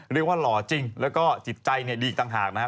หล่อจริงแล้วก็จิตใจดีอีกต่างหากนะครับ